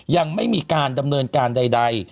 ยังไม่มีการดำเนินการใด